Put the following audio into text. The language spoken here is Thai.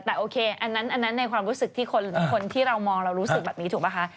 แต่โอเคอันนั้นในความรู้สึกที่คนหรือคนที่เรามองเรารู้สึกแบบนี้ถูกป่ะคะ